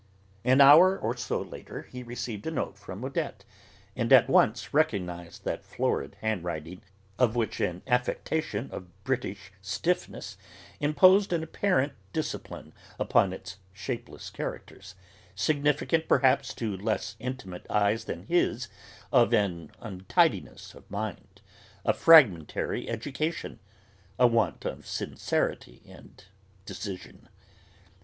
An hour or so later he received a note from Odette, and at once recognised that florid handwriting, in which an affectation of British stiffness imposed an apparent discipline upon its shapeless characters, significant, perhaps, to less intimate eyes than his, of an untidiness of mind, a fragmentary education, a want of sincerity and decision.